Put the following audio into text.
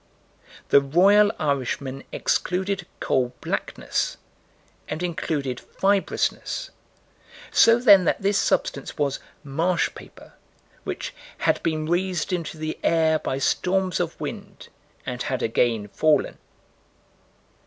The royal Irishmen excluded "coal blackness" and included fibrousness: so then that this substance was "marsh paper," which "had been raised into the air by storms of wind, and had again fallen."